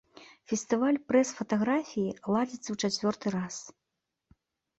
Фестываль прэс-фатаграфіі ладзіцца ў чацвёрты раз.